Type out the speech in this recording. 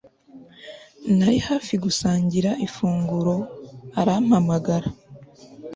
Nari hafi gusangira ifunguro arampamagara